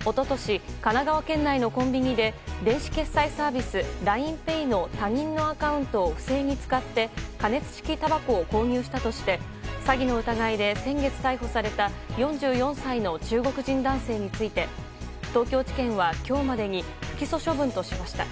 一昨年、神奈川県内のコンビニで電子決済サービスＬＩＮＥＰａｙの他人のアカウントを不正に使って加熱式たばこを購入したとして、詐欺の疑いで先月逮捕された４４歳の中国人男性について東京地検は今日までに不起訴処分としました。